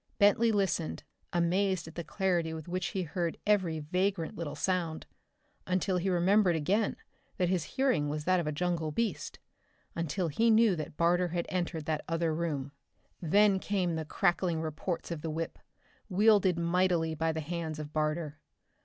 Bentley listened, amazed at the clarity with which he heard every vagrant little sound until he remembered again that his hearing was that of a jungle beast until he knew that Barter had entered that other room. Then came the crackling reports of the whip, wielded mightily by the hands of Barter.